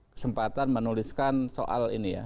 kesempatan menuliskan soal ini ya